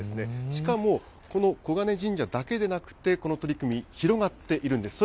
しかもこの金神社だけでなくて、この取り組み、広がっているんです。